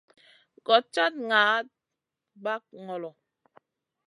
Goɗ cad naʼaɗ ɓag ŋolo.